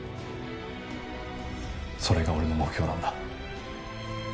それが俺の目標なんだ。